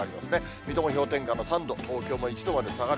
水戸も氷点下の３度、東京も１度まで下がる。